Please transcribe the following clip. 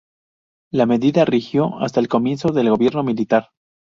La medida rigió hasta el comienzo del gobierno militar.